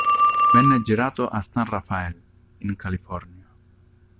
Venne girato a San Rafael, in California.